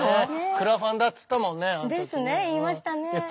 クラファンだっつったもんねあの時ね。ですね言いましたね。